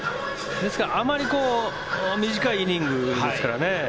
ですから短いイニングですからね